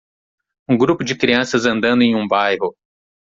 Um grupo de crianças andando em um bairro.